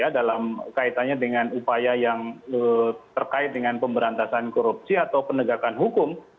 dalam kaitannya dengan upaya yang terkait dengan pemberantasan korupsi atau penegakan hukum